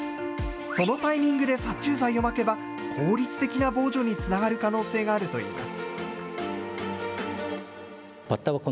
そのタイミングで殺虫剤をまけば、効率的な防除につながる可能性があるといいます。